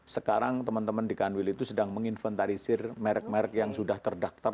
sekarang teman teman di kanwil itu sedang menginventarisir merek merek yang sudah terdaftar